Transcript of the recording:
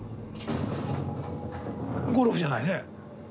ゴルフじゃないね。